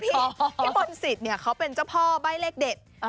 พี่มนศิษย์เนี้ยเขาเป็นเจ้าพ่อใบเลขเด็ด